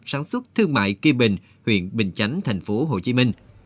sản xuất thương mại kiên bình huyện bình chánh tp hcm